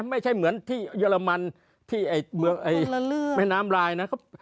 ไม่ใช่เหมือนที่เยอรมันที่เมืองแม่น้ำลายนะครับ